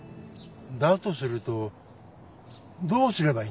だとするとどうすればいいんだ？